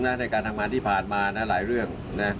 ในการทำงานที่ผ่านมาหลายเรื่อง